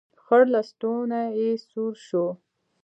خړ لستوڼی يې سور شو.